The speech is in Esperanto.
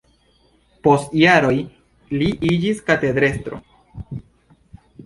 Post jaroj li iĝis katedrestro.